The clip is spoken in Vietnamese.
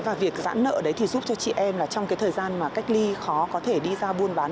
và việc giãn nợ đấy thì giúp cho chị em là trong cái thời gian mà cách ly khó có thể đi ra buôn bán